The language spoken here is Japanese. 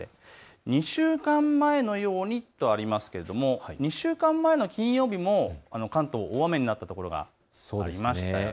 ２週間前のようにとありますが１週間前の金曜日も関東、大雨になったところがありましたよね。